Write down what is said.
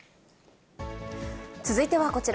続いてはこちら。